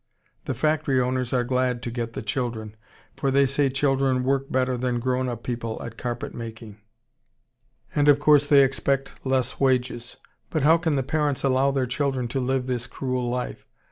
The factory owners are glad to get the children, for they say children work better than grown up people at carpet making, and of course they expect less wages. But how can the parents allow their children to live this cruel life?